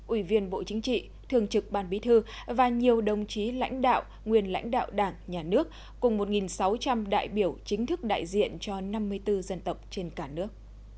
ủy viên bộ chính trị thường trực ban bí thư và nhiều đồng chí lãnh đạo nguyên lãnh đạo đảng nhà nước cùng một sáu trăm linh đại biểu chính thức đại diện cho năm mươi bốn dân tộc trên cả nước